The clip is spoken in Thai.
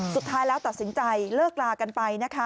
สุดท้ายแล้วตัดสินใจเลิกลากันไปนะคะ